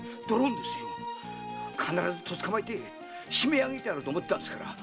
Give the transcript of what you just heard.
必ず捕まえて締め上げてやろうと思ってたんですから。